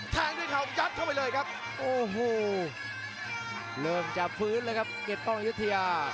แข่งด้วยข่าวของจัดเข้าไปเลยครับโอ้โหเริ่มจะฟื้นเลยครับเกียรติกล้องอยุธิา